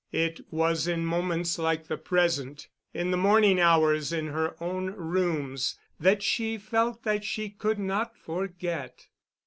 It was in moments like the present, in the morning hours in her own rooms, that she felt that she could not forget.